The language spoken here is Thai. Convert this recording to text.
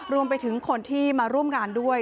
รวมไปถึงคนที่มาร่วมงานด้วย